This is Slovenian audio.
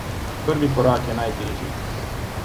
Prvi korak je najtežji.